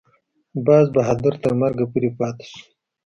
باز بهادر تر مرګه پورې پاته شو.